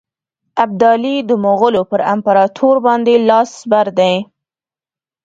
ابدالي د مغولو پر امپراطور باندي لاس بر دی.